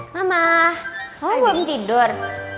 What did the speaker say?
mama mama belum tidur